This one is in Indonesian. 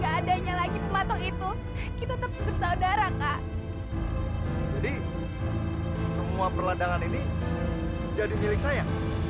gak adanya lagi pematang itu kita tetap bersaudara kak jadi semua perladangan ini jadi milik saya